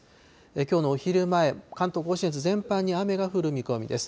きょうのお昼前、関東甲信越全般に雨が降る見込みです。